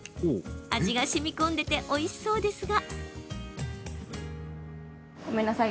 味がしみこんでおいしそうですが。